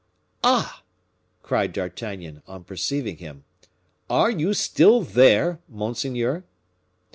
"Ah!" cried D'Artagnan, on perceiving him, "are you still there, monseigneur?"